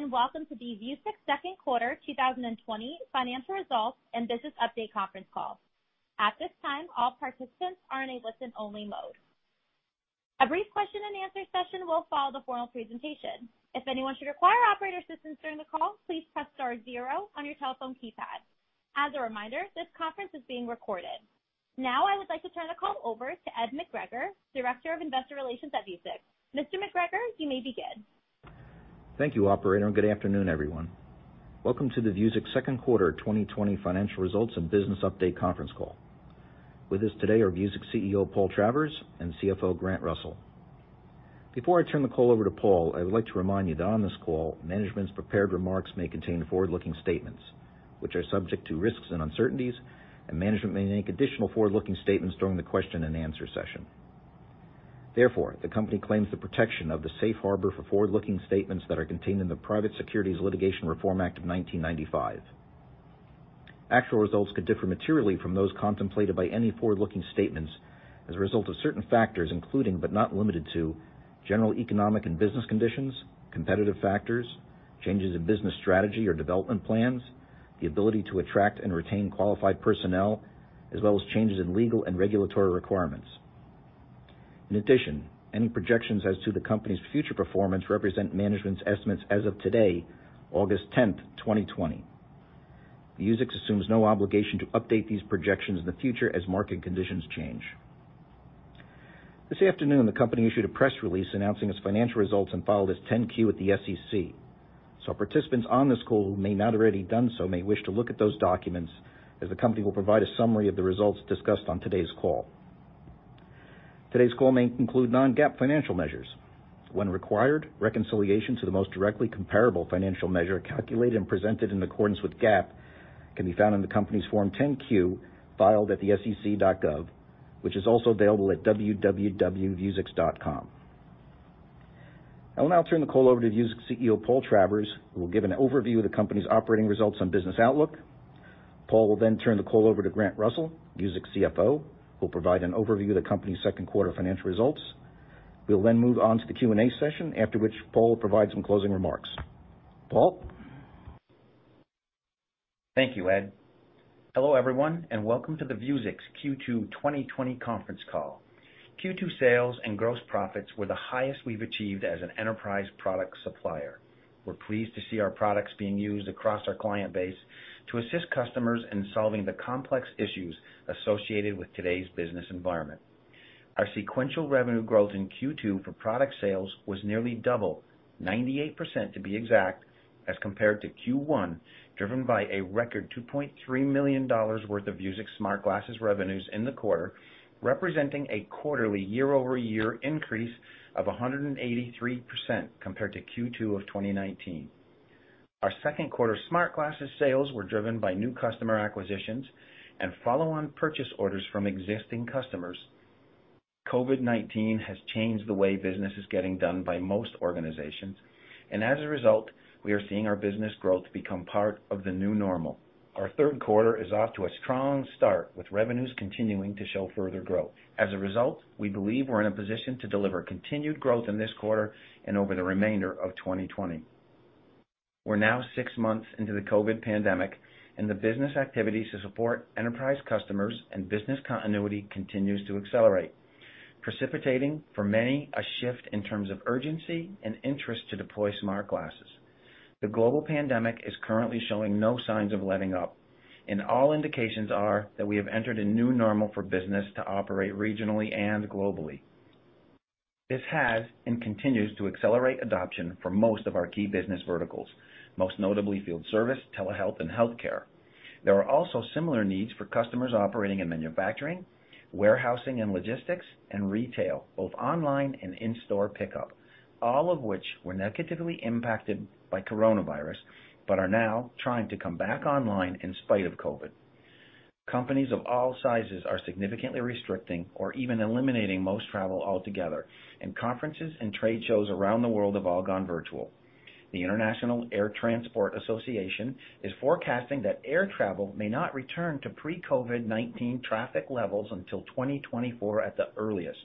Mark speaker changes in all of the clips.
Speaker 1: Good evening, welcome to the Vuzix Second Quarter 2020 Financial Results and Business Update Conference Call. At this time, all participants are in a listen-only mode. A brief question and answer session will follow the formal presentation. If anyone should require operator assistance during the call, please press star zero on your telephone keypad. As a reminder, this conference is being recorded. Now, I would like to turn the call over to Ed McGregor, Director of Investor Relations at Vuzix. Mr. McGregor, you may begin.
Speaker 2: Thank you, operator, and good afternoon, everyone. Welcome to the Vuzix Second Quarter 2020 Financial Results and Business Update Conference Call. With us today are Vuzix CEO, Paul Travers, and CFO, Grant Russell. Before I turn the call over to Paul, I would like to remind you that on this call, management's prepared remarks may contain forward-looking statements which are subject to risks and uncertainties, and management may make additional forward-looking statements during the question and answer session. Therefore, the company claims the protection of the safe harbor for forward-looking statements that are contained in the Private Securities Litigation Reform Act of 1995. Actual results could differ materially from those contemplated by any forward-looking statements as a result of certain factors, including, but not limited to, general economic and business conditions, competitive factors, changes in business strategy or development plans, the ability to attract and retain qualified personnel, as well as changes in legal and regulatory requirements. In addition, any projections as to the company's future performance represent management's estimates as of today, August 10th, 2020. Vuzix assumes no obligation to update these projections in the future as market conditions change. This afternoon, the company issued a press release announcing its financial results and filed its 10-Q at the SEC. Participants on this call who may not already done so may wish to look at those documents, as the company will provide a summary of the results discussed on today's call. Today's call may include non-GAAP financial measures. When required, reconciliation to the most directly comparable financial measure calculated and presented in accordance with GAAP can be found in the company's Form 10-Q, filed at sec.gov, which is also available at www.vuzix.com. I will now turn the call over to Vuzix CEO, Paul Travers, who will give an overview of the company's operating results and business outlook. Paul will turn the call over to Grant Russell, Vuzix CFO, who will provide an overview of the company's second quarter financial results. We'll move on to the Q&A session, after which Paul will provide some closing remarks. Paul?
Speaker 3: Thank you, Ed. Hello, everyone, and welcome to the Vuzix Q2 2020 conference call. Q2 sales and gross profits were the highest we've achieved as an enterprise product supplier. We're pleased to see our products being used across our client base to assist customers in solving the complex issues associated with today's business environment. Our sequential revenue growth in Q2 for product sales was nearly double, 98% to be exact, as compared to Q1, driven by a record $2.3 million worth of Vuzix smart glasses revenues in the quarter, representing a quarterly year-over-year increase of 183% compared to Q2 of 2019. Our second quarter smart glasses sales were driven by new customer acquisitions and follow-on purchase orders from existing customers. COVID-19 has changed the way business is getting done by most organizations, and as a result, we are seeing our business growth become part of the new normal. Our third quarter is off to a strong start, with revenues continuing to show further growth. As a result, we believe we're in a position to deliver continued growth in this quarter and over the remainder of 2020. We're now six months into the COVID pandemic, and the business activities to support enterprise customers and business continuity continues to accelerate, precipitating for many a shift in terms of urgency and interest to deploy smart glasses. The global pandemic is currently showing no signs of letting up, and all indications are that we have entered a new normal for business to operate regionally and globally. This has and continues to accelerate adoption for most of our key business verticals, most notably field service, telehealth, and healthcare. There are also similar needs for customers operating in manufacturing, warehousing and logistics, and retail, both online and in-store pickup, all of which were negatively impacted by COVID-19, but are now trying to come back online in spite of COVID-19. Companies of all sizes are significantly restricting or even eliminating most travel altogether. Conferences and trade shows around the world have all gone virtual. The International Air Transport Association is forecasting that air travel may not return to pre-COVID-19 traffic levels until 2024 at the earliest.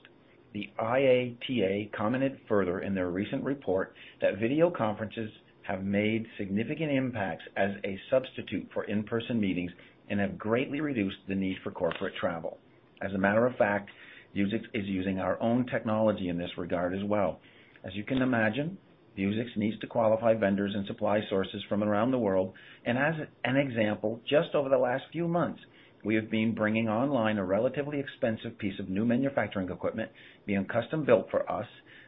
Speaker 3: The IATA commented further in their recent report that video conferences have made significant impacts as a substitute for in-person meetings and have greatly reduced the need for corporate travel. As a matter of fact, Vuzix is using our own technology in this regard as well. As you can imagine, Vuzix needs to qualify vendors and supply sources from around the world. As an example, just over the last few months, we have been bringing online a relatively expensive piece of new manufacturing equipment being custom built for us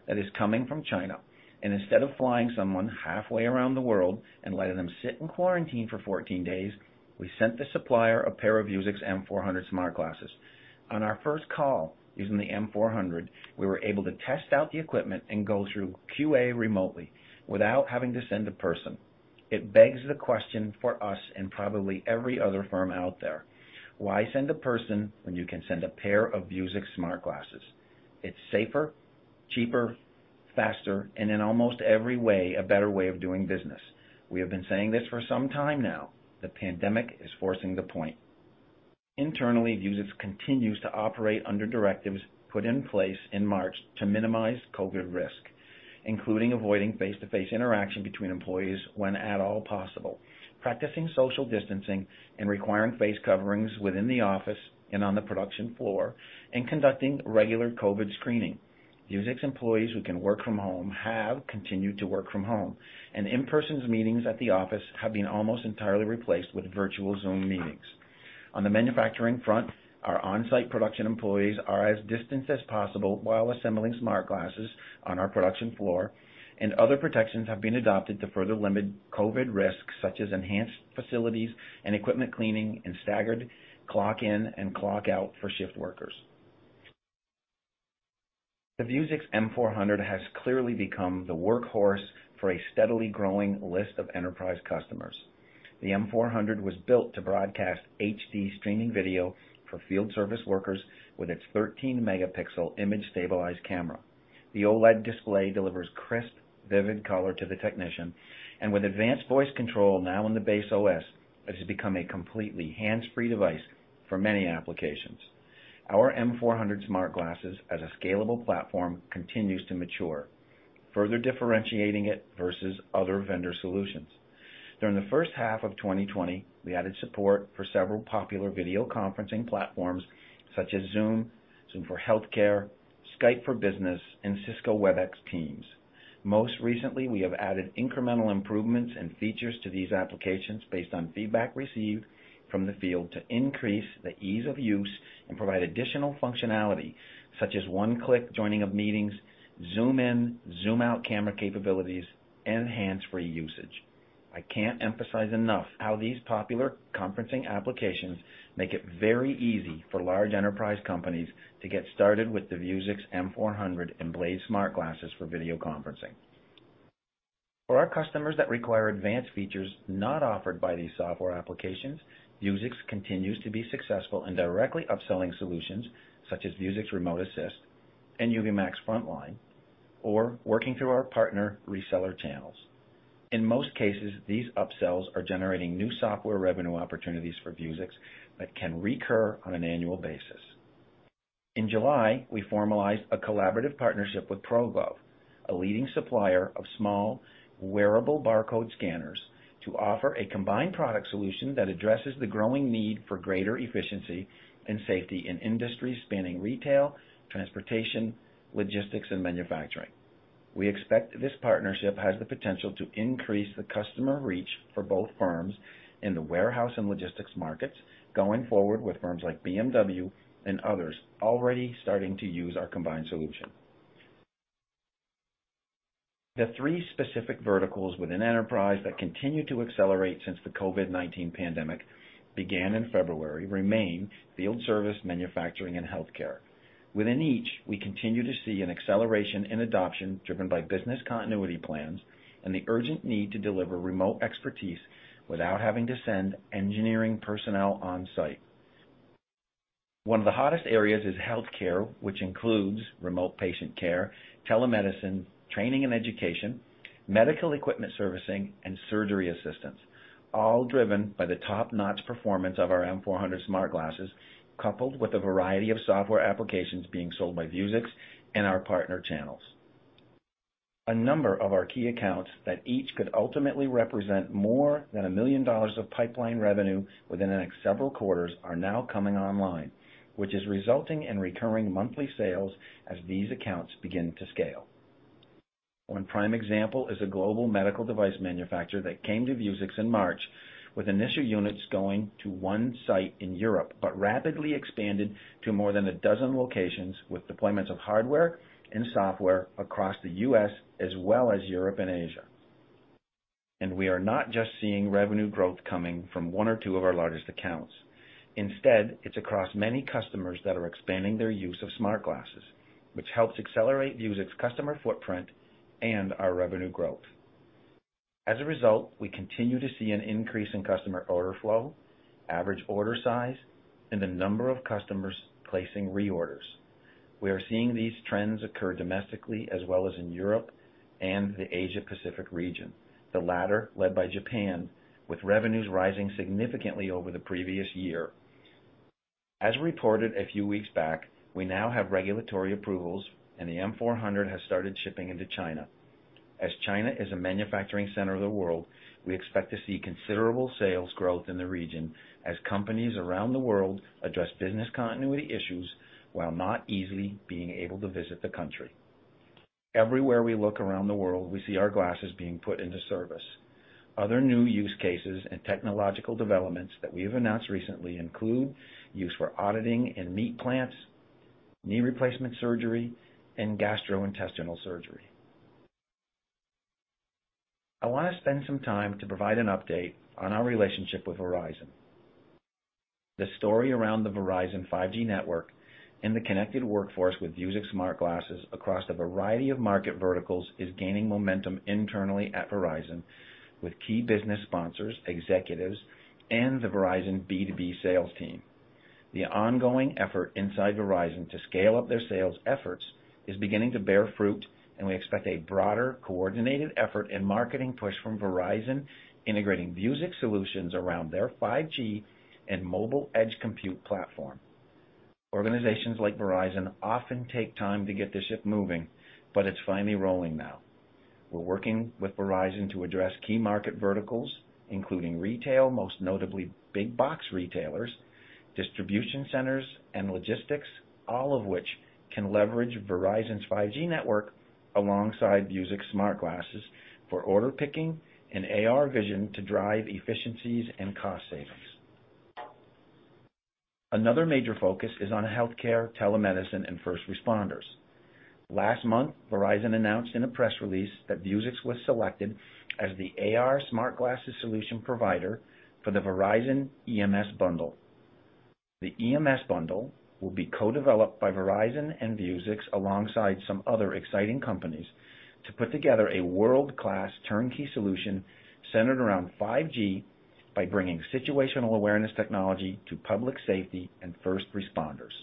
Speaker 3: that is coming from China. Instead of flying someone halfway around the world and letting them sit in quarantine for 14 days, we sent the supplier a pair of Vuzix M400 smart glasses. On our first call using the M400, we were able to test out the equipment and go through QA remotely without having to send a person. It begs the question for us and probably every other firm out there, why send a person when you can send a pair of Vuzix smart glasses? It's safer, cheaper, faster, and in almost every way, a better way of doing business. We have been saying this for some time now. The pandemic is forcing the point. Internally, Vuzix continues to operate under directives put in place in March to minimize COVID risk, including avoiding face-to-face interaction between employees when at all possible, practicing social distancing, and requiring face coverings within the office and on the production floor, and conducting regular COVID screening. Vuzix employees who can work from home have continued to work from home, and in-person meetings at the office have been almost entirely replaced with virtual Zoom meetings. On the manufacturing front, our on-site production employees are as distanced as possible while assembling smart glasses on our production floor, and other protections have been adopted to further limit COVID risks, such as enhanced facilities and equipment cleaning and staggered clock-in and clock-out for shift workers. The Vuzix M400 has clearly become the workhorse for a steadily growing list of enterprise customers. The M400 was built to broadcast HD streaming video for field service workers with its 13-megapixel image-stabilized camera. The OLED display delivers crisp, vivid color to the technician, and with advanced voice control now in the base OS, it has become a completely hands-free device for many applications. Our M400 smart glasses as a scalable platform continues to mature, further differentiating it versus other vendor solutions. During the first half of 2020, we added support for several popular video conferencing platforms such as Zoom for Healthcare, Skype for Business, and Cisco Webex Teams. Most recently, we have added incremental improvements and features to these applications based on feedback received from the field to increase the ease of use and provide additional functionality, such as one-click joining of meetings, zoom in/zoom out camera capabilities, and hands-free usage. I can't emphasize enough how these popular conferencing applications make it very easy for large enterprise companies to get started with the Vuzix M400 and Blade smart glasses for video conferencing. For our customers that require advanced features not offered by these software applications, Vuzix continues to be successful in directly upselling solutions such as Vuzix Remote Assist and Ubimax Frontline, or working through our partner reseller channels. In most cases, these upsells are generating new software revenue opportunities for Vuzix that can recur on an annual basis. In July, we formalized a collaborative partnership with ProGlove, a leading supplier of small, wearable barcode scanners, to offer a combined product solution that addresses the growing need for greater efficiency and safety in industries spanning retail, transportation, logistics, and manufacturing. We expect this partnership has the potential to increase the customer reach for both firms in the warehouse and logistics markets going forward, with firms like BMW and others already starting to use our combined solution. The three specific verticals with an enterprise that continue to accelerate since the COVID-19 pandemic began in February remain field service, manufacturing, and healthcare. Within each, we continue to see an acceleration in adoption driven by business continuity plans and the urgent need to deliver remote expertise without having to send engineering personnel on-site. One of the hottest areas is healthcare, which includes remote patient care, telemedicine, training and education, medical equipment servicing, and surgery assistance, all driven by the top-notch performance of our M400 smart glasses, coupled with a variety of software applications being sold by Vuzix and our partner channels. A number of our key accounts that each could ultimately represent more than $1 million of pipeline revenue within the next several quarters are now coming online, which is resulting in recurring monthly sales as these accounts begin to scale. One prime example is a global medical device manufacturer that came to Vuzix in March with initial units going to one site in Europe, but rapidly expanded to more than 12 locations with deployments of hardware and software across the U.S. as well as Europe and Asia. We are not just seeing revenue growth coming from one or two of our largest accounts. Instead, it's across many customers that are expanding their use of smart glasses, which helps accelerate Vuzix customer footprint and our revenue growth. As a result, we continue to see an increase in customer order flow, average order size, and the number of customers placing reorders. We are seeing these trends occur domestically as well as in Europe and the Asia-Pacific region, the latter led by Japan, with revenues rising significantly over the previous year. As reported a few weeks back, we now have regulatory approvals, and the M400 has started shipping into China. As China is a manufacturing center of the world, we expect to see considerable sales growth in the region as companies around the world address business continuity issues while not easily being able to visit the country. Everywhere we look around the world, we see our glasses being put into service. Other new use cases and technological developments that we have announced recently include use for auditing in meat plants, knee replacement surgery, and gastrointestinal surgery. I want to spend some time to provide an update on our relationship with Verizon. The story around the Verizon 5G network and the connected workforce with Vuzix smart glasses across a variety of market verticals is gaining momentum internally at Verizon with key business sponsors, executives, and the Verizon B2B sales team. The ongoing effort inside Verizon to scale up their sales efforts is beginning to bear fruit, and we expect a broader, coordinated effort and marketing push from Verizon integrating Vuzix solutions around their 5G and Mobile Edge Compute platform. Organizations like Verizon often take time to get the ship moving, but it's finally rolling now. We're working with Verizon to address key market verticals, including retail, most notably big box retailers, distribution centers, and logistics, all of which can leverage Verizon's 5G network alongside Vuzix smart glasses for order picking and AR vision to drive efficiencies and cost savings. Another major focus is on healthcare, telemedicine, and first responders. Last month, Verizon announced in a press release that Vuzix was selected as the AR smart glasses solution provider for the Verizon EMS bundle. The EMS bundle will be co-developed by Verizon and Vuzix, alongside some other exciting companies, to put together a world-class turnkey solution centered around 5G by bringing situational awareness technology to public safety and first responders.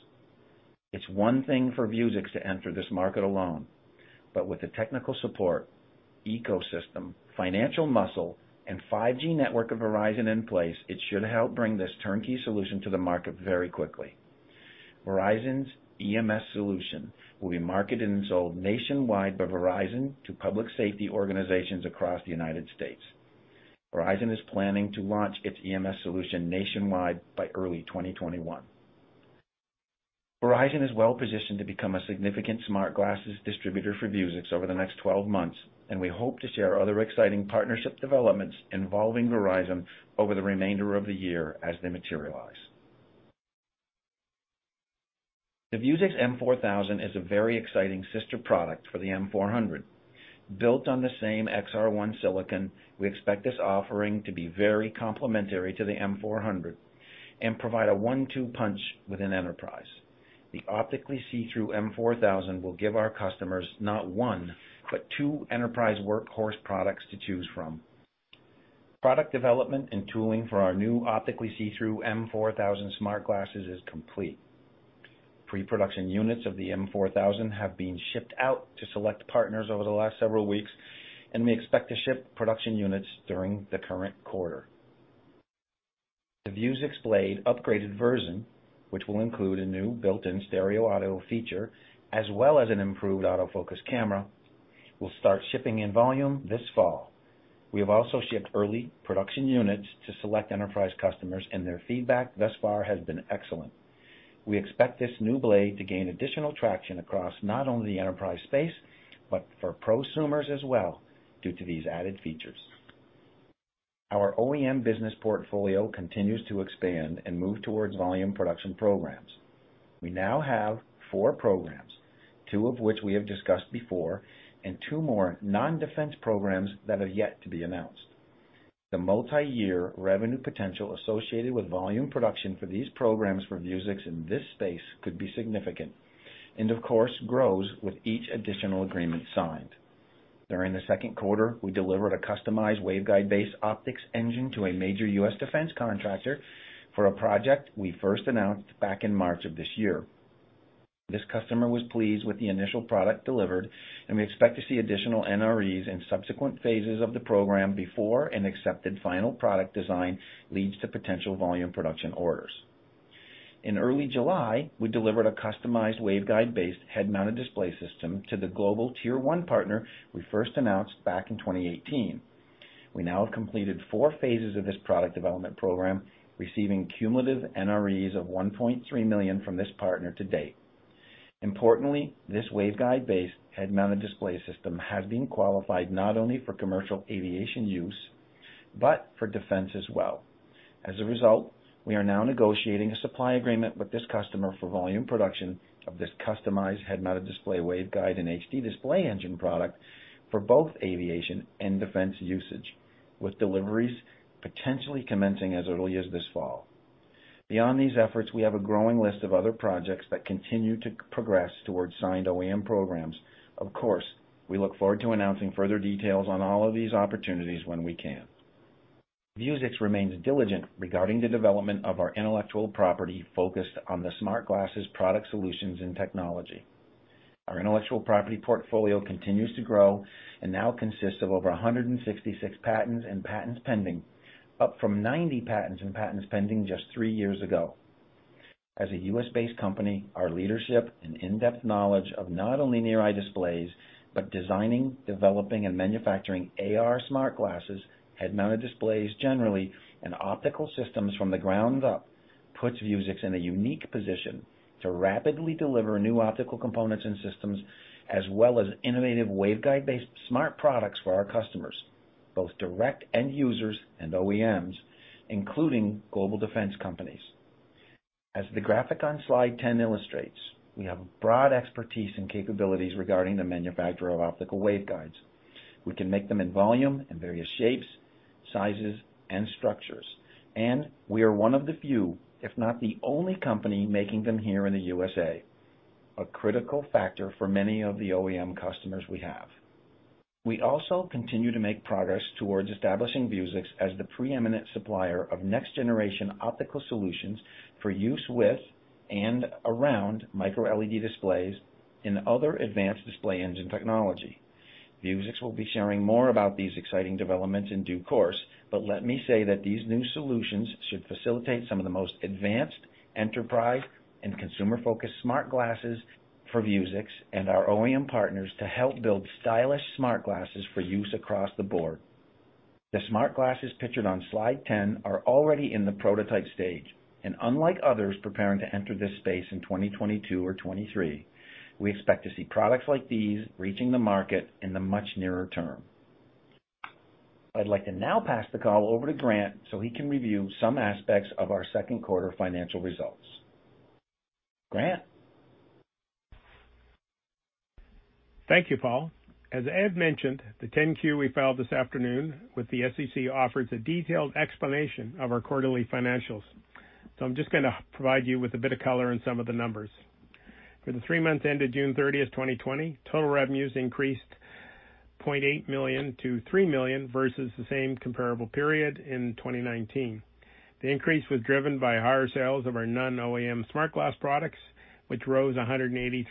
Speaker 3: It's one thing for Vuzix to enter this market alone. With the technical support, ecosystem, financial muscle, and 5G network of Verizon in place, it should help bring this turnkey solution to the market very quickly. Verizon's EMS solution will be marketed and sold nationwide by Verizon to public safety organizations across the U.S. Verizon is planning to launch its EMS solution nationwide by early 2021. Verizon is well-positioned to become a significant smart glasses distributor for Vuzix over the next 12 months, and we hope to share other exciting partnership developments involving Verizon over the remainder of the year as they materialize. The Vuzix M4000 is a very exciting sister product for the M400. Built on the same XR1 silicon, we expect this offering to be very complementary to the M400 and provide a one-two punch within enterprise. The optically see-through M4000 will give our customers not one, but two enterprise workhorse products to choose from. Product development and tooling for our new optically see-through M4000 smart glasses is complete. Pre-production units of the M4000 have been shipped out to select partners over the last several weeks, and we expect to ship production units during the current quarter. The Vuzix Blade smart glasses, which will include a new built-in stereo audio feature, as well as an improved autofocus camera, will start shipping in volume this fall. We have also shipped early production units to select enterprise customers, and their feedback thus far has been excellent. We expect this new Blade to gain additional traction across not only the enterprise space, but for prosumers as well, due to these added features. Our OEM business portfolio continues to expand and move towards volume production programs. We now have four programs, two of which we have discussed before, and two more non-defense programs that are yet to be announced. The multi-year revenue potential associated with volume production for these programs for Vuzix in this space could be significant and, of course, grows with each additional agreement signed. During the second quarter, we delivered a customized waveguide-based optics engine to a major U.S. defense contractor for a project we first announced back in March of this year. This customer was pleased with the initial product delivered, and we expect to see additional NREs in subsequent phases of the program before an accepted final product design leads to potential volume production orders. In early July, we delivered a customized waveguide-based head-mounted display system to the global Tier 1 partner we first announced back in 2018. We now have completed four phases of this product development program, receiving cumulative NREs of $1.3 million from this partner to date. Importantly, this waveguide-based head-mounted display system has been qualified not only for commercial aviation use, but for defense as well. As a result, we are now negotiating a supply agreement with this customer for volume production of this customized head-mounted display waveguide and HD display engine product for both aviation and defense usage, with deliveries potentially commencing as early as this fall. Beyond these efforts, we have a growing list of other projects that continue to progress towards signed OEM programs. Of course, we look forward to announcing further details on all of these opportunities when we can. Vuzix remains diligent regarding the development of our intellectual property focused on the smart glasses product solutions and technology. Our intellectual property portfolio continues to grow and now consists of over 166 patents and patents pending, up from 90 patents and patents pending just three years ago. As a U.S.-based company, our leadership and in-depth knowledge of not only near-eye displays, but designing, developing, and manufacturing AR smart glasses, head-mounted displays generally, and optical systems from the ground up puts Vuzix in a unique position to rapidly deliver new optical components and systems, as well as innovative waveguide-based smart products for our customers, both direct end users and OEMs, including global defense companies. As the graphic on slide 10 illustrates, we have broad expertise and capabilities regarding the manufacture of optical waveguides. We can make them in volume in various shapes, sizes, and structures, and we are one of the few, if not the only company, making them here in the USA, a critical factor for many of the OEM customers we have. We also continue to make progress towards establishing Vuzix as the preeminent supplier of next-generation optical solutions for use with and around Micro-LED displays and other advanced display engine technology. Vuzix will be sharing more about these exciting developments in due course, let me say that these new solutions should facilitate some of the most advanced enterprise and consumer-focused smart glasses for Vuzix and our OEM partners to help build stylish smart glasses for use across the board. The smart glasses pictured on slide 10 are already in the prototype stage, and unlike others preparing to enter this space in 2022 or 2023, we expect to see products like these reaching the market in the much nearer term. I'd like to now pass the call over to Grant so he can review some aspects of our second quarter financial results. Grant?
Speaker 4: Thank you, Paul. As Ed mentioned, the 10-Q we filed this afternoon with the SEC offers a detailed explanation of our quarterly financials. I'm just going to provide you with a bit of color on some of the numbers. For the three months ended June 30th, 2020, total revenues increased $0.8 million to $3 million versus the same comparable period in 2019. The increase was driven by higher sales of our non-OEM smart glass products, which rose 183%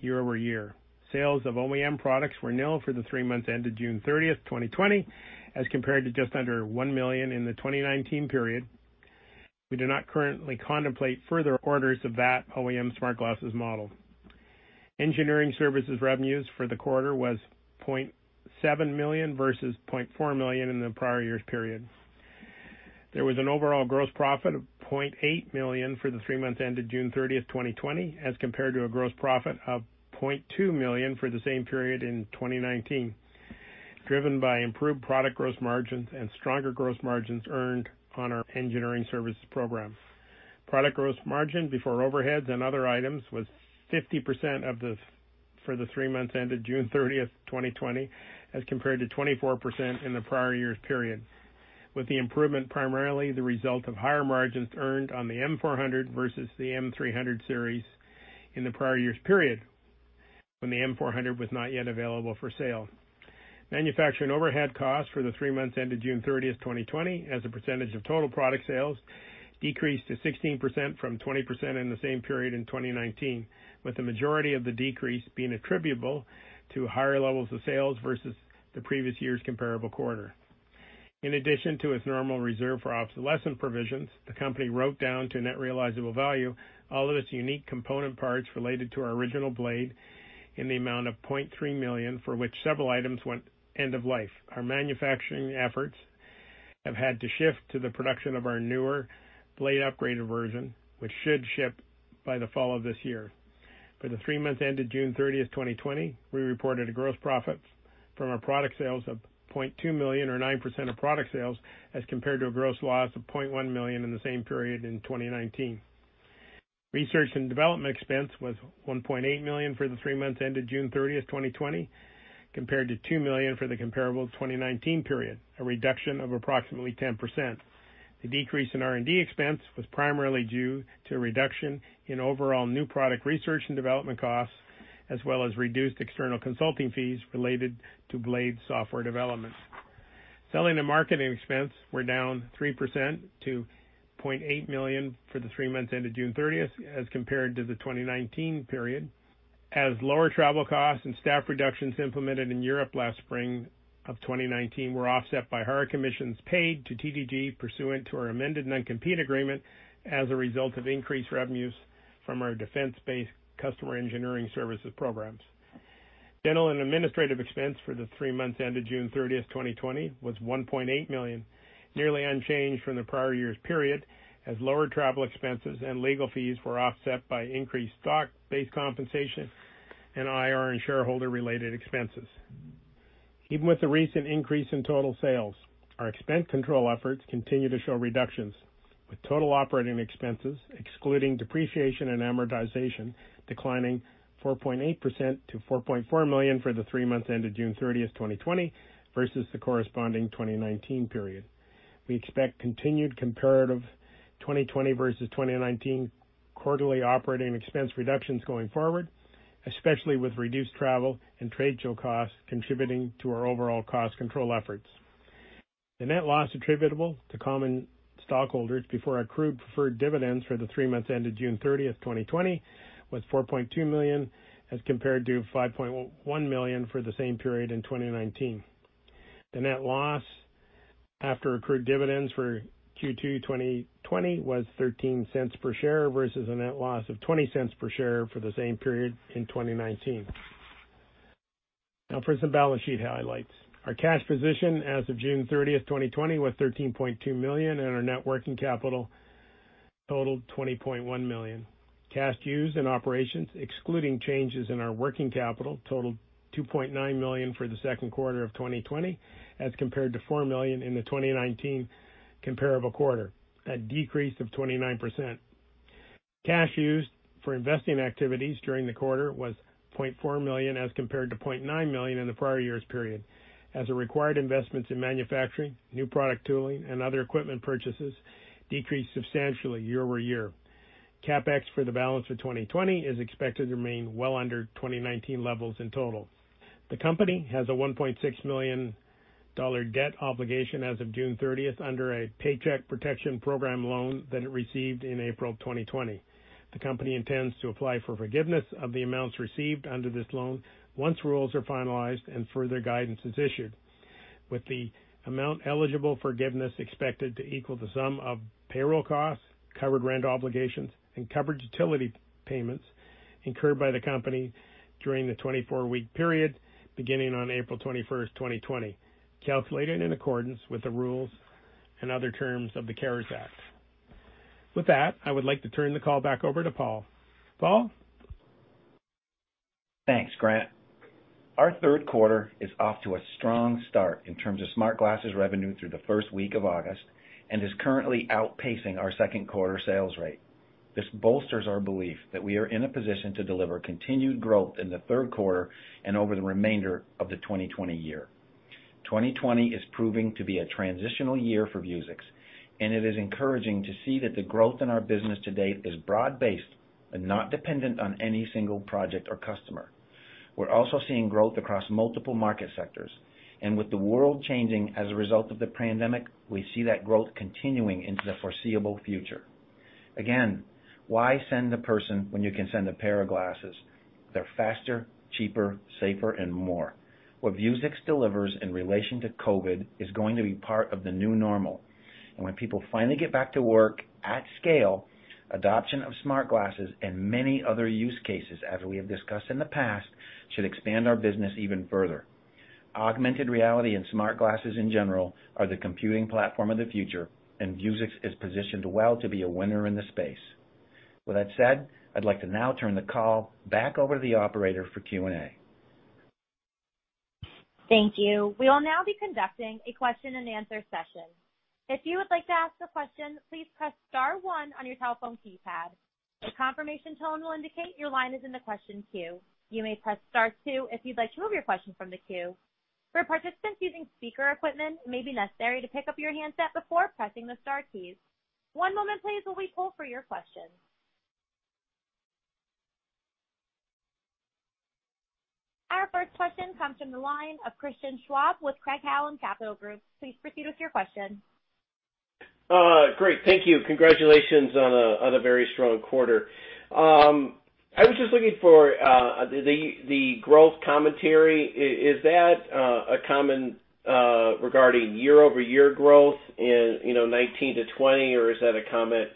Speaker 4: year-over-year. Sales of OEM products were nil for the three months ended June 30th, 2020, as compared to just under $1 million in the 2019 period. We do not currently contemplate further orders of that OEM smart glasses model. Engineering services revenues for the quarter was $0.7 million versus $0.4 million in the prior year's period. There was an overall gross profit of $0.8 million for the three months ended June 30th, 2020, as compared to a gross profit of $0.2 million for the same period in 2019, driven by improved product gross margins and stronger gross margins earned on our engineering services program. Product gross margin before overheads and other items was 50% for the three months ended June 30th, 2020, as compared to 24% in the prior year's period, with the improvement primarily the result of higher margins earned on the M400 versus the M300 series in the prior year's period, when the M400 was not yet available for sale. Manufacturing overhead costs for the three months ended June 30th, 2020, as a percentage of total product sales, decreased to 16% from 20% in the same period in 2019, with the majority of the decrease being attributable to higher levels of sales versus the previous year's comparable quarter. In addition to its normal reserve for obsolescence provisions, the company wrote down to net realizable value all of its unique component parts related to our original Blade in the amount of $0.3 million, for which several items went end of life. Our manufacturing efforts have had to shift to the production of our newer Blade upgraded version, which should ship by the fall of this year. For the three months ended June 30th, 2020, we reported a gross profit from our product sales of $0.2 million, or 9% of product sales, as compared to a gross loss of $0.1 million in the same period in 2019. Research and development expense was $1.8 million for the three months ended June 30th, 2020, compared to $2 million for the comparable 2019 period, a reduction of approximately 10%. The decrease in R&D expense was primarily due to a reduction in overall new product research and development costs, as well as reduced external consulting fees related to Blade software development. Selling and marketing expense were down 3% to $0.8 million for the three months ended June 30th as compared to the 2019 period, as lower travel costs and staff reductions implemented in Europe last spring of 2019 were offset by higher commissions paid to TDG pursuant to our amended non-compete agreement as a result of increased revenues from our defense-based customer engineering services programs. General and administrative expense for the three months ended June 30th, 2020, was $1.8 million, nearly unchanged from the prior year's period, as lower travel expenses and legal fees were offset by increased stock-based compensation and IR and shareholder-related expenses. Even with the recent increase in total sales, our expense control efforts continue to show reductions, with total operating expenses excluding depreciation and amortization declining 4.8% to $4.4 million for the three months ended June 30th, 2020, versus the corresponding 2019 period. We expect continued comparative 2020 versus 2019 quarterly operating expense reductions going forward, especially with reduced travel and trade show costs contributing to our overall cost control efforts. The net loss attributable to common stockholders before accrued preferred dividends for the three months ended June 30th, 2020, was $4.2 million, as compared to $5.1 million for the same period in 2019. The net loss after accrued dividends for Q2 2020 was $0.13 per share versus a net loss of $0.20 per share for the same period in 2019. For some balance sheet highlights. Our cash position as of June 30th, 2020, was $13.2 million, and our net working capital totaled $20.1 million. Cash used in operations excluding changes in our working capital totaled $2.9 million for the second quarter of 2020, as compared to $4 million in the 2019 comparable quarter, a decrease of 29%. Cash used for investing activities during the quarter was $0.4 million as compared to $0.9 million in the prior year's period, as the required investments in manufacturing, new product tooling, and other equipment purchases decreased substantially year-over-year. CapEx for the balance of 2020 is expected to remain well under 2019 levels in total. The company has a $1.6 million debt obligation as of June 30th under a Paycheck Protection Program loan that it received in April 2020. The company intends to apply for forgiveness of the amounts received under this loan once rules are finalized and further guidance is issued, with the amount eligible forgiveness expected to equal the sum of payroll costs, covered rent obligations, and covered utility payments incurred by the company during the 24-week period beginning on April 21st, 2020, calculated in accordance with the rules and other terms of the CARES Act. With that, I would like to turn the call back over to Paul. Paul?
Speaker 3: Thanks, Grant. Our third quarter is off to a strong start in terms of smart glasses revenue through the first week of August and is currently outpacing our second quarter sales rate. This bolsters our belief that we are in a position to deliver continued growth in the third quarter and over the remainder of the 2020 year. 2020 is proving to be a transitional year for Vuzix, and it is encouraging to see that the growth in our business to date is broad-based and not dependent on any single project or customer. We're also seeing growth across multiple market sectors, and with the world changing as a result of the pandemic, we see that growth continuing into the foreseeable future. Again, why send a person when you can send a pair of glasses? They're faster, cheaper, safer, and more. What Vuzix delivers in relation to COVID is going to be part of the new normal. When people finally get back to work at scale, adoption of smart glasses and many other use cases, as we have discussed in the past, should expand our business even further. Augmented reality and smart glasses in general are the computing platform of the future, and Vuzix is positioned well to be a winner in this space. With that said, I'd like to now turn the call back over to the operator for Q&A.
Speaker 1: Thank you. We will now be conducting a question and answer session. If you would like to ask a question, please press star one on your telephone keypad. A confirmation tone will indicate your line is in the question queue. You may press star two if you'd like to remove your question from the queue. For participants using speaker equipment, it may be necessary to pick up your handset before pressing the star keys. One moment please while we pull for your question. Our first question comes from the line of Christian Schwab with Craig-Hallum Capital Group. Please proceed with your question.
Speaker 5: Great. Thank you. Congratulations on a very strong quarter. I was just looking for the growth commentary. Is that a comment regarding year-over-year growth in 2019 to 2020? Or is that a comment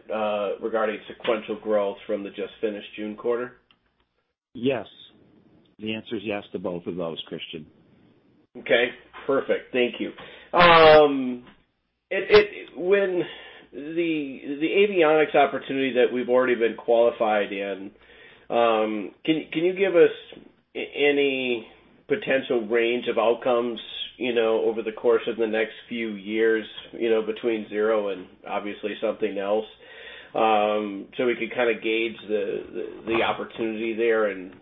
Speaker 5: regarding sequential growth from the just finished June quarter?
Speaker 3: Yes. The answer is yes to both of those, Christian.
Speaker 5: Okay, perfect. Thank you. The avionics opportunity that we've already been qualified in, can you give us any potential range of outcomes over the course of the next few years, between zero and obviously something else, so we can gauge the opportunity there and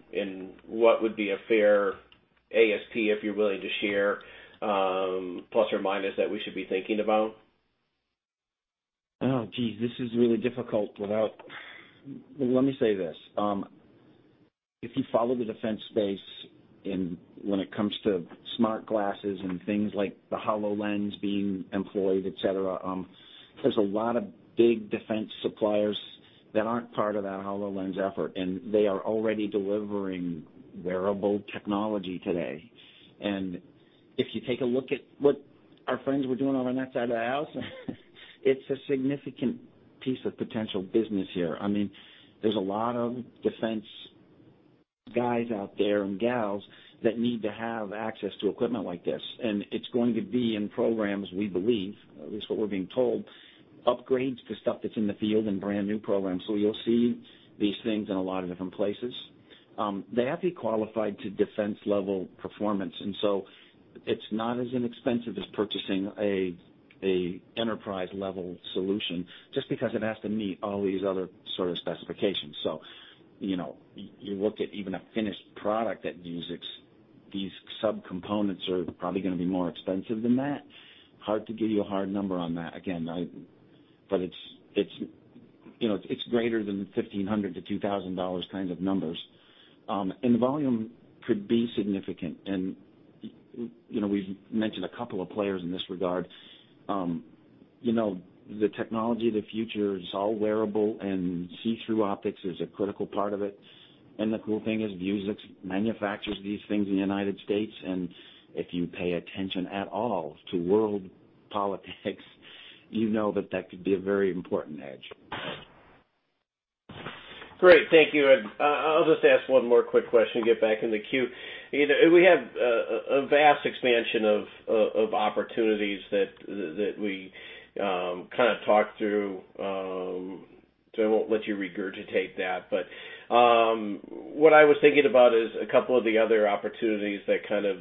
Speaker 5: what would be a fair ASP, if you're willing to share, plus or minus that we should be thinking about?
Speaker 3: Oh, geez. Let me say this. If you follow the defense space when it comes to smart glasses and things like the HoloLens being employed, et cetera, there's a lot of big defense suppliers that aren't part of that HoloLens effort, and they are already delivering wearable technology today. If you take a look at what our friends were doing over on that side of the house, it's a significant piece of potential business here. There's a lot of defense guys out there, and gals, that need to have access to equipment like this, and it's going to be in programs, we believe, at least what we're being told, upgrades to stuff that's in the field and brand-new programs. You'll see these things in a lot of different places. They have to be qualified to defense-level performance, it's not as inexpensive as purchasing an enterprise-level solution just because it has to meet all these other sort of specifications. You look at even a finished product at Vuzix, these sub-components are probably gonna be more expensive than that. Hard to give you a hard number on that. Again, it's greater than $1,500-$2,000 kind of numbers. The volume could be significant. We've mentioned a couple of players in this regard. The technology of the future is all wearable, and see-through optics is a critical part of it. The cool thing is Vuzix manufactures these things in the United States, and if you pay attention at all to world politics, you know that that could be a very important edge.
Speaker 5: Great. Thank you. I'll just ask one more quick question and get back in the queue. We have a vast expansion of opportunities that we kind of talked through. I won't let you regurgitate that. What I was thinking about is a couple of the other opportunities that kind of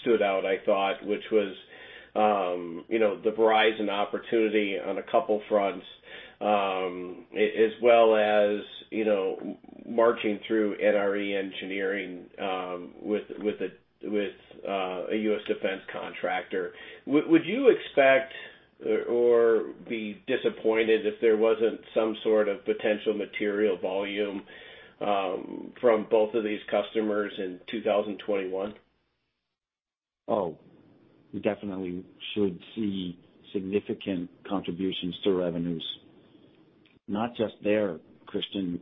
Speaker 5: stood out, I thought, which was the Verizon opportunity on a couple fronts, as well as marching through NRE engineering with a U.S. defense contractor. Would you expect or be disappointed if there wasn't some sort of potential material volume from both of these customers in 2021?
Speaker 3: Oh, we definitely should see significant contributions to revenues. Not just there, Christian.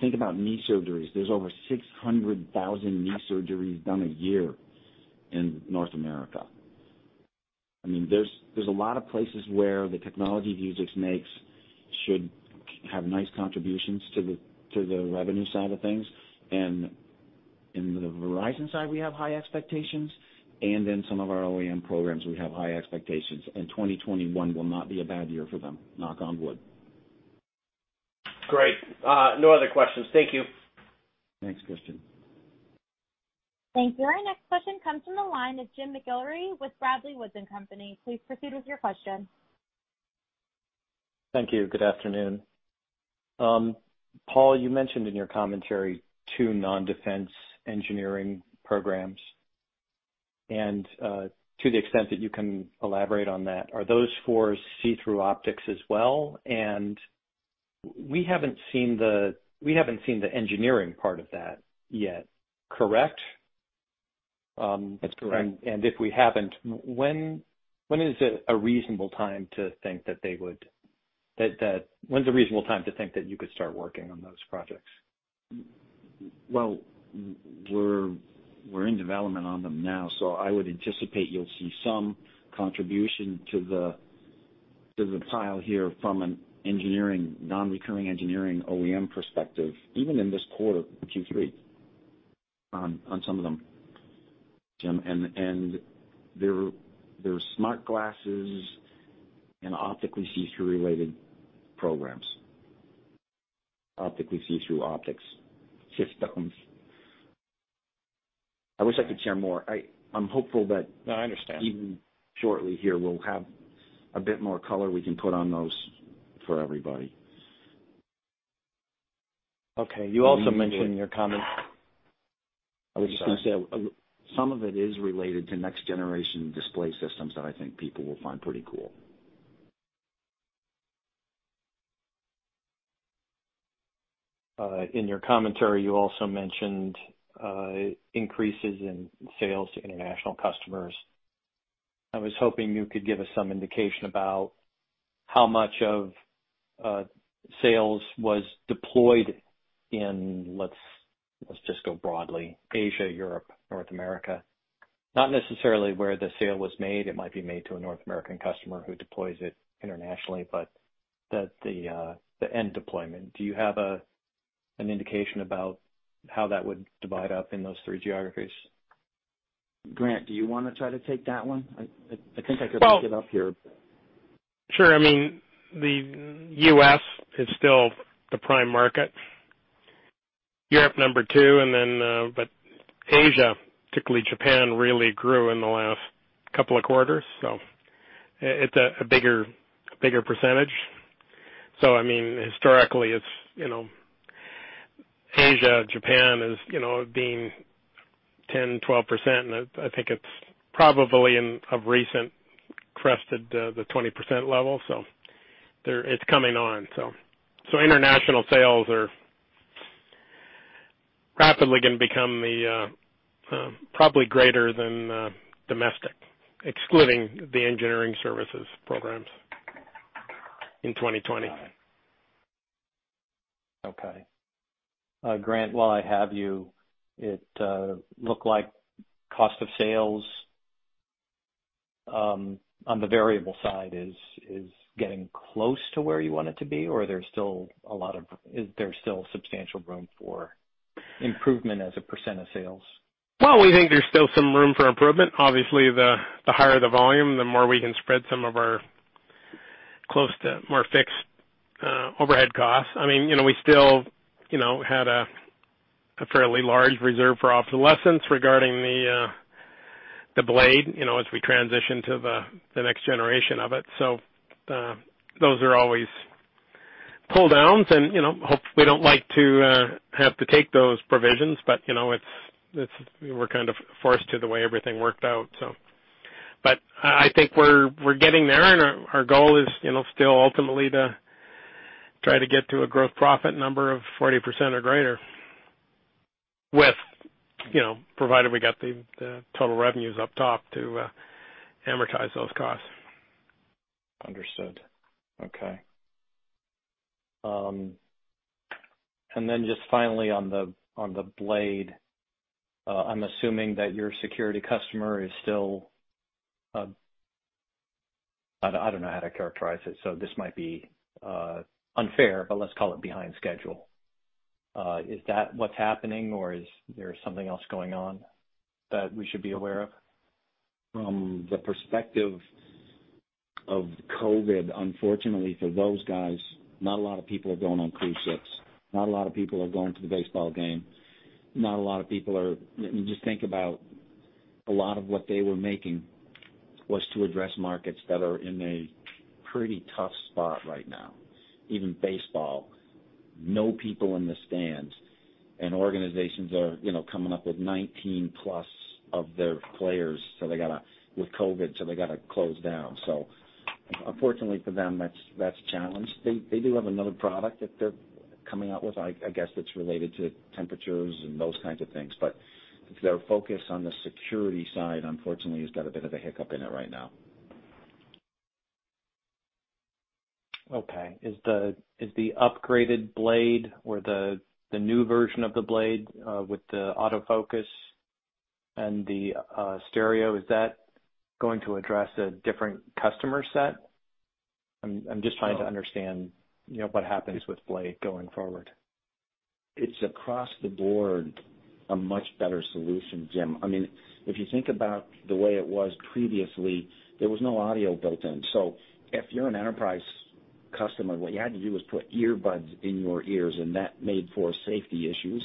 Speaker 3: Think about knee surgeries. There's over 600,000 knee surgeries done a year in North America. There's a lot of places where the technology Vuzix makes should have nice contributions to the revenue side of things. In the Verizon side, we have high expectations, and in some of our OEM programs, we have high expectations. 2021 will not be a bad year for them, knock on wood.
Speaker 5: Great. No other questions. Thank you.
Speaker 3: Thanks, Christian.
Speaker 1: Thank you. Our next question comes from the line of Jim McIlree with Bradley Woods & Co. Please proceed with your question.
Speaker 6: Thank you. Good afternoon. Paul, you mentioned in your commentary two non-defense engineering programs. To the extent that you can elaborate on that, are those for see-through optics as well? We haven't seen the engineering part of that yet, correct?
Speaker 3: That's correct.
Speaker 6: If we haven't, when is a reasonable time to think that you could start working on those projects?
Speaker 3: Well, we're in development on them now, so I would anticipate you'll see some contribution to the pile here from a Non-Recurring Engineering OEM perspective, even in this quarter, Q3, on some of them, Jim. They're smart glasses and optically see-through related programs. Optically see-through optics systems. I wish I could share more.
Speaker 6: No, I understand.
Speaker 3: Even shortly here, we'll have a bit more color we can put on those for everybody.
Speaker 6: Okay. You also mentioned in your comments.
Speaker 3: I was just going to say, some of it is related to next generation display systems that I think people will find pretty cool.
Speaker 6: In your commentary, you also mentioned increases in sales to international customers. I was hoping you could give us some indication about how much of sales was deployed in, let's just go broadly, Asia, Europe, North America. Not necessarily where the sale was made. It might be made to a North American customer who deploys it internationally, but the end deployment. Do you have an indication about how that would divide up in those three geographies?
Speaker 3: Grant, do you want to try to take that one? I think I could look it up here.
Speaker 4: Sure. The U.S. is still the prime market. Europe, number two. Asia, particularly Japan, really grew in the last couple of quarters. It's a bigger percentage. Historically, Asia, Japan has been 10%, 12%, and I think it's probably in a recent crested the 20% level. It's coming on. International sales are rapidly going to become probably greater than domestic, excluding the engineering services programs in 2020.
Speaker 6: Okay. Grant, while I have you, it looked like cost of sales on the variable side is getting close to where you want it to be, or is there still substantial room for improvement as a percent of sales?
Speaker 4: Well, we think there's still some room for improvement. Obviously, the higher the volume, the more we can spread some of our close to more fixed overhead costs. We still had a fairly large reserve for obsolescence regarding the Blade as we transition to the next generation of it. Those are always pull-downs, and we don't like to have to take those provisions, but we're kind of forced to the way everything worked out. I think we're getting there, and our goal is still ultimately to try to get to a gross profit number of 40% or greater, provided we got the total revenues up top to amortize those costs.
Speaker 6: Understood. Okay. Just finally on the Blade, I'm assuming that your security customer is still, I don't know how to characterize it, so this might be unfair, but let's call it behind schedule. Is that what's happening, or is there something else going on that we should be aware of?
Speaker 3: From the perspective of COVID, unfortunately for those guys, not a lot of people are going on cruise ships. Not a lot of people are going to the baseball game. Just think about a lot of what they were making was to address markets that are in a pretty tough spot right now, even baseball. No people in the stands and organizations are coming up with 19+ of their players with COVID, so they've got to close down. Unfortunately for them, that's a challenge. They do have another product that they're coming out with, I guess that's related to temperatures and those kinds of things. Their focus on the security side, unfortunately, has got a bit of a hiccup in it right now.
Speaker 6: Okay. Is the upgraded Blade or the new version of the Blade with the autofocus and the stereo, is that going to address a different customer set? I'm just trying to understand what happens with Blade going forward.
Speaker 3: It's across the board, a much better solution, Jim. If you think about the way it was previously, there was no audio built in. If you're an enterprise customer, what you had to do was put earbuds in your ears, and that made for safety issues,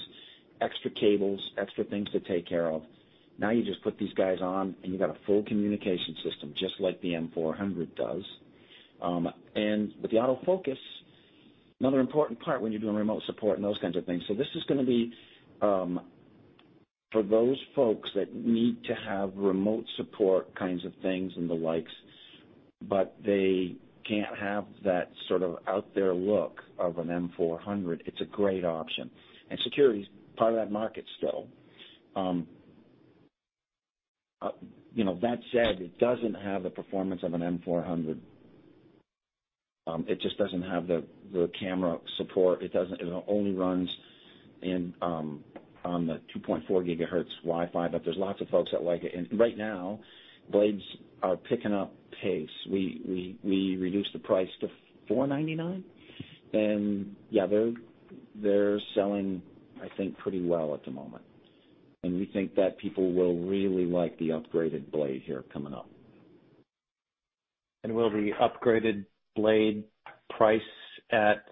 Speaker 3: extra cables, extra things to take care of. Now you just put these guys on, and you've got a full communication system, just like the M400 does. With the autofocus, another important part when you're doing remote support and those kinds of things. This is going to be for those folks that need to have remote support kinds of things and the likes, but they can't have that sort of out-there look of an M400. It's a great option. Security is part of that market still. That said, it doesn't have the performance of an M400. It just doesn't have the camera support. It only runs on the 2.4 GHz Wi-Fi. There's lots of folks that like it. Right now, Blades are picking up pace. We reduced the price to $499. Yeah, they're selling, I think, pretty well at the moment. We think that people will really like the upgraded Blade here coming up.
Speaker 6: Will the upgraded Blade price at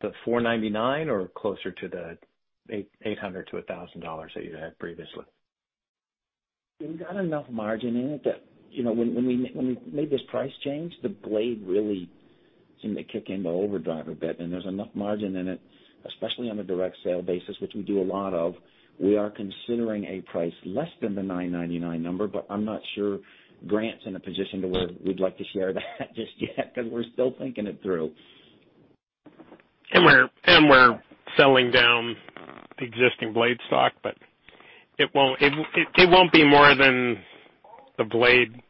Speaker 6: the $499 or closer to the $800-$1,000 that you had previously?
Speaker 3: We've got enough margin in it that when we made this price change, the Blade really seemed to kick into overdrive a bit. There's enough margin in it, especially on a direct sale basis, which we do a lot of. We are considering a price less than the $999 number. I'm not sure Grant's in a position to where we'd like to share that just yet, because we're still thinking it through.
Speaker 4: We're selling down existing Blade stock, but it won't be more than the Blade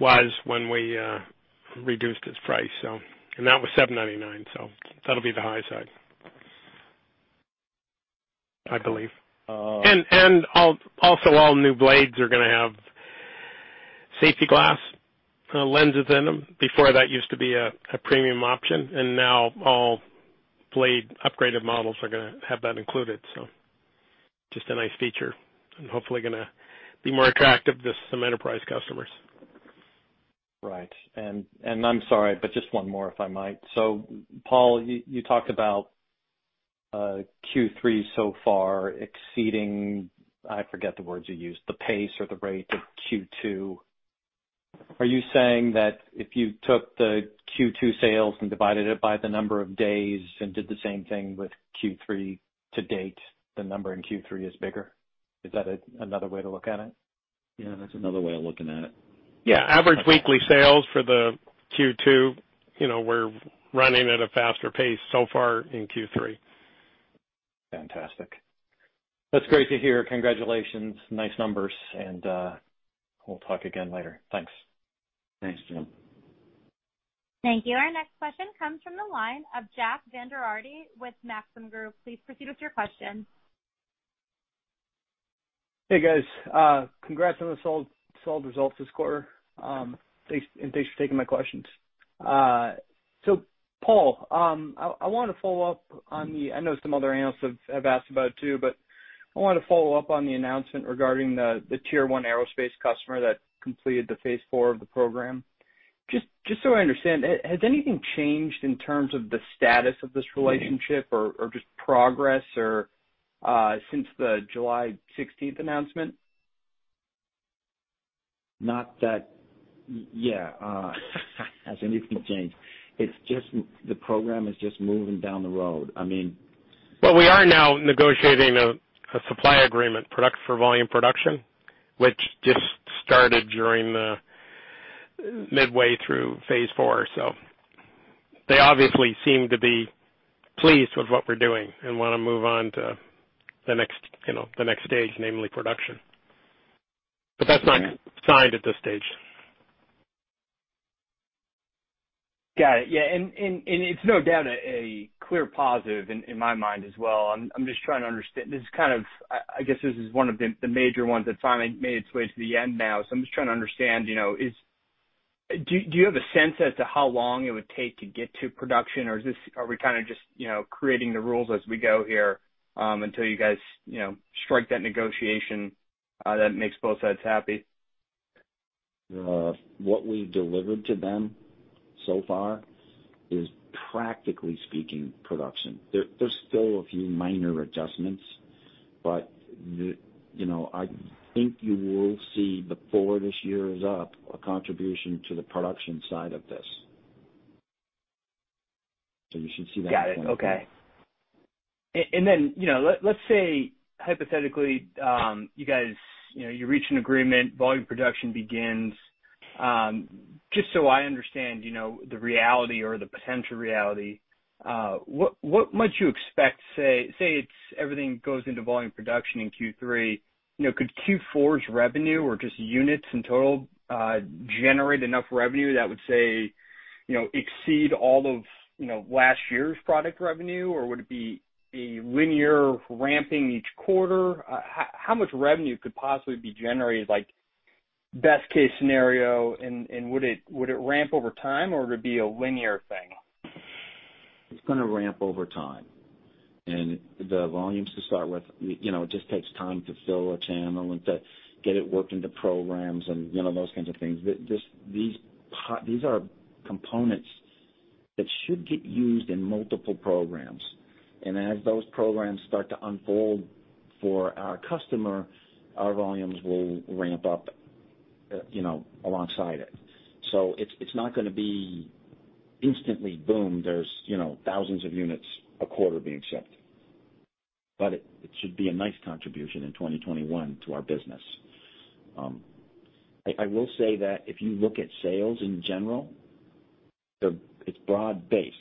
Speaker 4: was when we reduced its price. That was $799, so that'll be the high side. I believe.
Speaker 6: All right.
Speaker 4: Also, all new Blades are going to have safety glass lenses in them. Before, that used to be a premium option, and now all Blade upgraded models are going to have that included. Just a nice feature and hopefully going to be more attractive to some enterprise customers.
Speaker 6: Right. I'm sorry, just one more, if I might. Paul, you talked about Q3 so far exceeding, I forget the words you used, the pace or the rate of Q2. Are you saying that if you took the Q2 sales and divided it by the number of days, and did the same thing with Q3 to date, the number in Q3 is bigger? Is that another way to look at it?
Speaker 3: Yeah, that's another way of looking at it.
Speaker 4: Yeah. Average weekly sales for the Q2, we're running at a faster pace so far in Q3.
Speaker 6: Fantastic. That's great to hear. Congratulations. Nice numbers, we'll talk again later. Thanks.
Speaker 3: Thanks, Jim.
Speaker 1: Thank you. Our next question comes from the line of Jack Vander Aarde with Maxim Group. Please proceed with your question.
Speaker 7: Hey, guys. Congrats on the solid results this quarter. Thanks for taking my questions. Paul, I want to follow up on the, I know some other analysts have asked about it too, but I want to follow up on the announcement regarding the Tier 1 aerospace customer that completed the Phase IV of the program. Just so I understand, has anything changed in terms of the status of this relationship or just progress since the July 16th announcement?
Speaker 3: Not that, yeah, has anything changed? The program is just moving down the road.
Speaker 4: Well, we are now negotiating a supply agreement for volume production, which just started midway through Phase IV. They obviously seem to be pleased with what we're doing and want to move on to the next stage, namely production. That's not signed at this stage.
Speaker 7: Got it. Yeah. It's no doubt a clear positive in my mind as well. I'm just trying to understand. I guess this is one of the major ones that's finally made its way to the end now, so I'm just trying to understand, do you have a sense as to how long it would take to get to production, or are we kind of just creating the rules as we go here until you guys strike that negotiation that makes both sides happy?
Speaker 3: What we've delivered to them so far is practically speaking production. There's still a few minor adjustments. I think you will see before this year is up a contribution to the production side of this. You should see that.
Speaker 7: Got it. Okay. Let's say hypothetically you guys reach an agreement, volume production begins. Just so I understand the reality or the potential reality, what might you expect, say, everything goes into volume production in Q3? Could Q4's revenue or just units in total generate enough revenue that would, say, exceed all of last year's product revenue, or would it be a linear ramping each quarter? How much revenue could possibly be generated, best case scenario, and would it ramp over time, or would it be a linear thing?
Speaker 3: It's going to ramp over time. The volumes to start with, it just takes time to fill a channel and to get it worked into programs and those kinds of things. These are components that should get used in multiple programs. As those programs start to unfold for our customer, our volumes will ramp up alongside it. It's not going to be instantly, boom, there's thousands of units a quarter being shipped. It should be a nice contribution in 2021 to our business. I will say that if you look at sales in general, it's broad-based.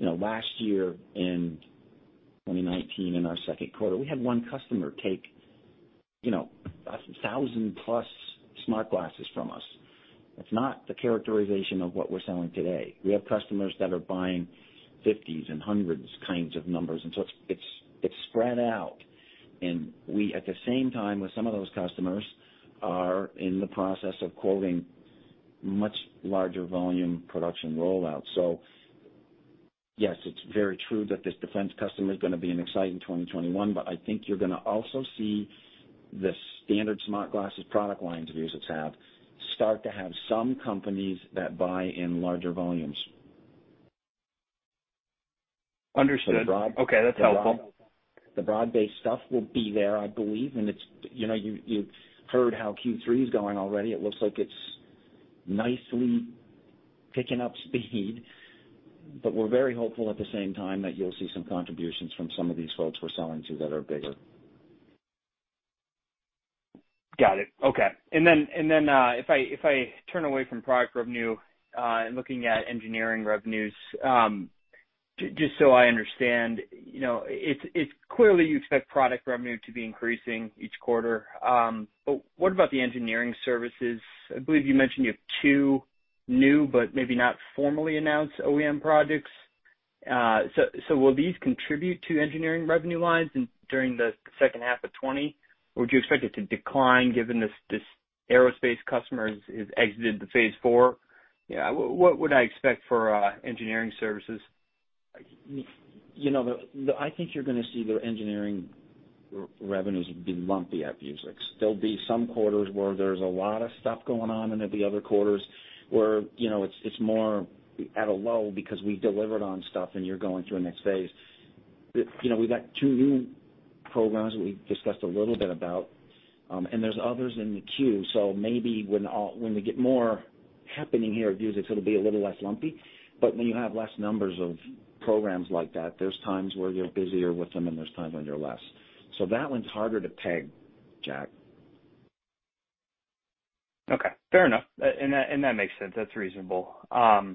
Speaker 3: Last year in 2019, in our second quarter, we had one customer take a 1,000+ smart glasses from us. That's not the characterization of what we're selling today. We have customers that are buying 50s and 100s kinds of numbers, it's spread out. We, at the same time, with some of those customers, are in the process of quoting much larger volume production rollout. Yes, it's very true that this defense customer is going to be an exciting 2021, but I think you're going to also see the standard smart glasses product line that Vuzix has start to have some companies that buy in larger volumes.
Speaker 7: Understood. Okay. That's helpful.
Speaker 3: The broad-based stuff will be there, I believe, and you've heard how Q3 is going already. It looks like it's nicely picking up speed, but we're very hopeful at the same time that you'll see some contributions from some of these folks we're selling to that are bigger.
Speaker 7: Got it. Okay. If I turn away from product revenue and looking at engineering revenues, just so I understand, clearly you expect product revenue to be increasing each quarter. What about the engineering services? I believe you mentioned you have two new, but maybe not formally announced OEM projects. Will these contribute to engineering revenue lines during the second half of 2020? Would you expect it to decline given this aerospace customer has exited the phase four? What would I expect for engineering services?
Speaker 3: I think you're going to see the engineering revenues be lumpy at Vuzix. There'll be some quarters where there's a lot of stuff going on, and there'll be other quarters where it's more at a low because we've delivered on stuff and you're going to a next phase. We've got two new programs that we've discussed a little bit about. There's others in the queue, so maybe when we get more happening here at Vuzix, it'll be a little less lumpy. When you have less numbers of programs like that, there's times where you're busier with them and there's times when you're less. That one's harder to peg, Jack.
Speaker 7: Okay. Fair enough. That makes sense. That's reasonable. I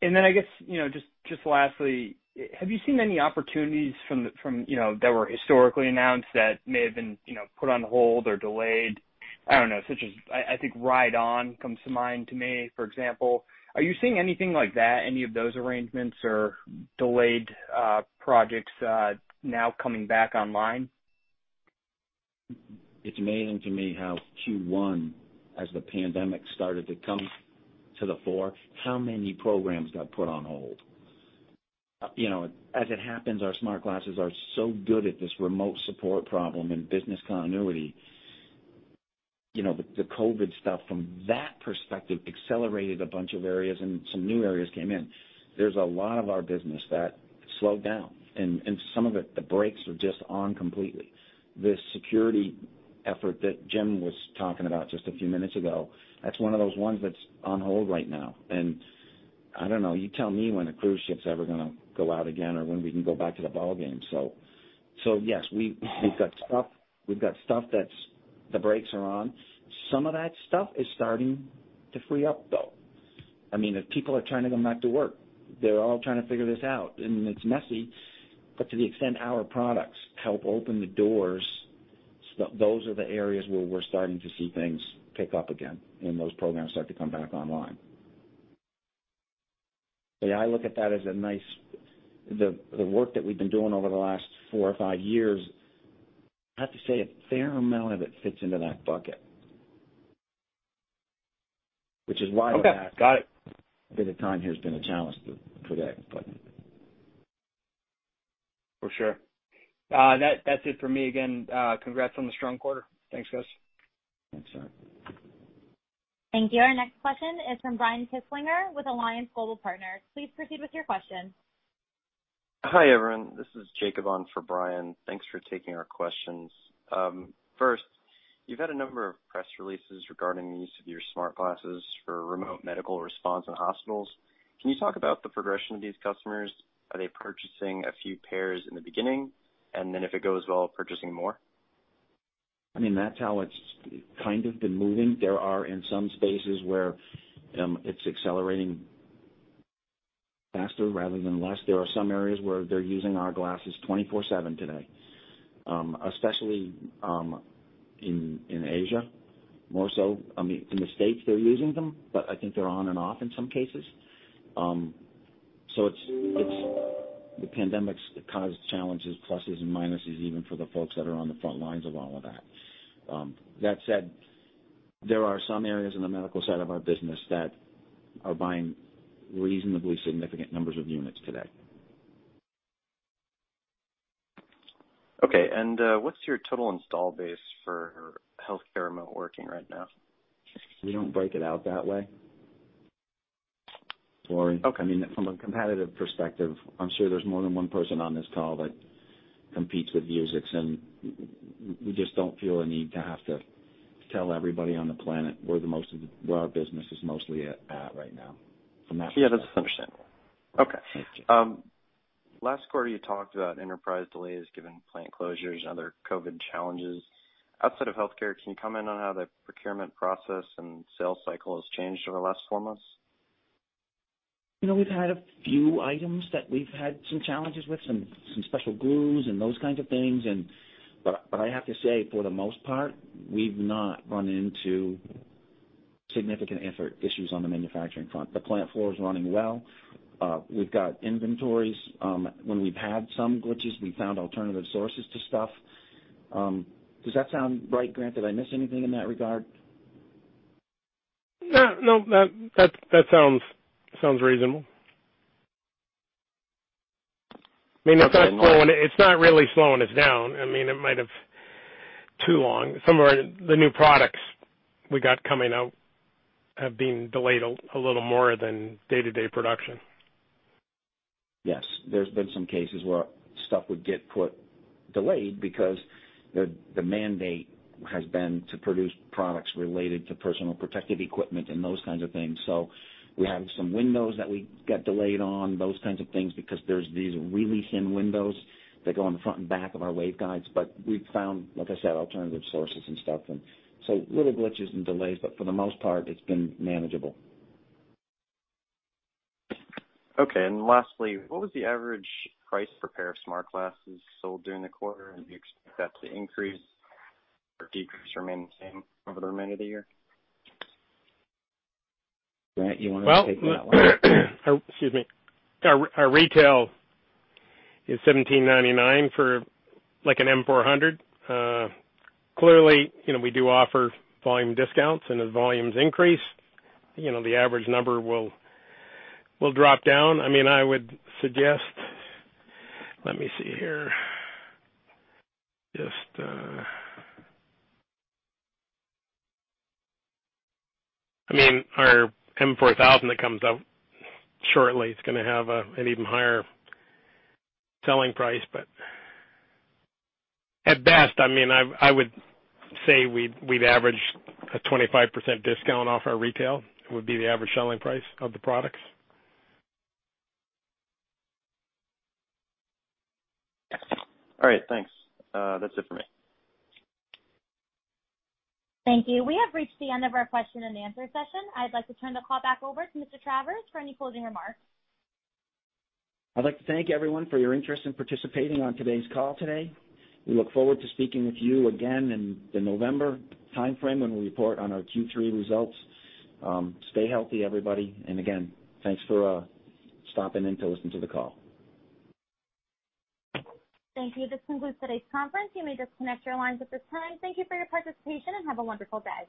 Speaker 7: guess just lastly, have you seen any opportunities that were historically announced that may have been put on hold or delayed? I don't know, such as, I think RideOn comes to mind to me, for example. Are you seeing anything like that, any of those arrangements or delayed projects now coming back online?
Speaker 3: It's amazing to me how Q1, as the pandemic started to come to the fore, how many programs got put on hold. As it happens, our smart glasses are so good at this remote support problem and business continuity. The COVID stuff from that perspective accelerated a bunch of areas and some new areas came in. There's a lot of our business that slowed down, and some of it, the brakes are just on completely. This security effort that Jim was talking about just a few minutes ago, that's one of those ones that's on hold right now. I don't know, you tell me when a cruise ship's ever going to go out again, or when we can go back to the ballgame. Yes, we've got stuff that's the brakes are on. Some of that stuff is starting to free up, though. I mean, people are trying to go back to work. They're all trying to figure this out, and it's messy, but to the extent our products help open the doors, those are the areas where we're starting to see things pick up again and those programs start to come back online. The work that we've been doing over the last four or five years, I have to say, a fair amount of it fits into that bucket.
Speaker 7: Okay. Got it.
Speaker 3: A bit of time here has been a challenge for that.
Speaker 7: For sure. That's it for me. Again, congrats on the strong quarter. Thanks, guys.
Speaker 3: Thanks, Jack.
Speaker 1: Thank you. Our next question is from Brian Kinstlinger with Alliance Global Partners. Please proceed with your question.
Speaker 8: Hi, everyone. This is Jacob on for Brian. Thanks for taking our questions. First, you've had a number of press releases regarding the use of your smart glasses for remote medical response in hospitals. Can you talk about the progression of these customers? Are they purchasing a few pairs in the beginning, and then if it goes well, purchasing more?
Speaker 3: That's how it's kind of been moving. There are, in some spaces, where it's accelerating faster rather than less. There are some areas where they're using our glasses 24/7 today, especially in Asia, more so. In the States, they're using them, but I think they're on and off in some cases. The pandemic's caused challenges, pluses, and minuses, even for the folks that are on the front lines of all of that. That said, there are some areas in the medical side of our business that are buying reasonably significant numbers of units today.
Speaker 8: Okay. What's your total install base for healthcare remote working right now?
Speaker 3: We don't break it out that way.
Speaker 8: Okay.
Speaker 3: From a competitive perspective, I'm sure there's more than one person on this call that competes with Vuzix. We just don't feel a need to have to tell everybody on the planet where our business is mostly at right now, from that perspective.
Speaker 8: Yeah, that's understandable. Okay.
Speaker 3: Thanks.
Speaker 8: Last quarter, you talked about enterprise delays given plant closures and other COVID challenges. Outside of healthcare, can you comment on how the procurement process and sales cycle has changed over the last four months?
Speaker 3: We've had a few items that we've had some challenges with, some special glues and those kinds of things. I have to say, for the most part, we've not run into significant issues on the manufacturing front. The plant floor is running well. We've got inventories. When we've had some glitches, we found alternative sources to stuff. Does that sound right, Grant? Did I miss anything in that regard?
Speaker 4: No. That sounds reasonable. It's not really slowing us down. It might have too long. Some of the new products we got coming out have been delayed a little more than day-to-day production.
Speaker 3: Yes. There's been some cases where stuff would get delayed because the mandate has been to produce products related to personal protective equipment and those kinds of things. We have some windows that we get delayed on, those kinds of things, because there's these really thin windows that go on the front and back of our waveguides. We've found, like I said, alternative sources and stuff. Little glitches and delays, but for the most part, it's been manageable.
Speaker 8: Okay. Lastly, what was the average price per pair of smart glasses sold during the quarter? Do you expect that to increase or decrease or remain the same over the remainder of the year?
Speaker 3: Grant, you want to take that one?
Speaker 4: Excuse me. Our retail is $1,799 for an M400. Clearly, we do offer volume discounts, and as volumes increase, the average number will drop down. I would suggest Let me see here. Our M4000 that comes out shortly, it's going to have an even higher selling price. At best, I would say we'd average a 25% discount off our retail, would be the average selling price of the products.
Speaker 8: All right. Thanks. That's it for me.
Speaker 1: Thank you. We have reached the end of our question and answer session. I'd like to turn the call back over to Mr. Travers for any closing remarks.
Speaker 3: I'd like to thank everyone for your interest in participating on today's call. We look forward to speaking with you again in the November timeframe when we report on our Q3 results. Stay healthy, everybody, and again, thanks for stopping in to listen to the call.
Speaker 1: Thank you. This concludes today's conference. You may disconnect your lines at this time. Thank you for your participation, and have a wonderful day.